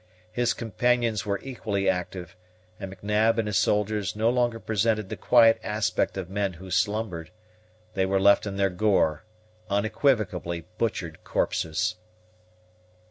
His companions were equally active, and M'Nab and his soldiers no longer presented the quiet aspect of men who slumbered. They were left in their gore, unequivocally butchered corpses.